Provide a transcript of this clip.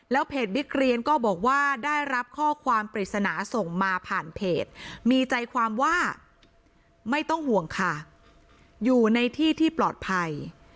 เพจบิ๊กเรียนก็บอกว่าได้รับข้อความปริศนาส่งมาผ่านเพจมีใจความว่าไม่ต้องห่วงค่ะอยู่ในที่ที่ปลอดภัย